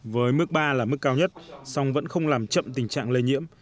với mức ba là mức cao nhất song vẫn không làm chậm tình trạng lây nhiễm